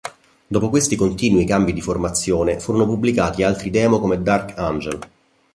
Dopo questi continui cambi di formazione furono pubblicati altri demo come Dark Angel.